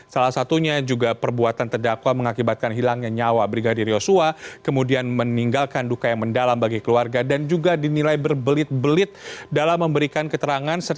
salah satunya juga perbuatan terdakwa mengakibatkan hilangnya nyawa brigadir yosua kemudian meninggalkan duka yang mendalam bagi keluarga dan juga dinilai berbelit belit dalam memberikan keterangan